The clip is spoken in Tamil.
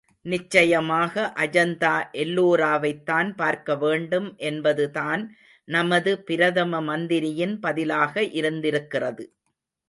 நிச்சயமாக அஜந்தா எல்லோராவைத்தான் பார்க்க வேண்டும் என்பதுதான் நமது பிரதம மந்திரியின் பதிலாக இருந்திருக்கிறது.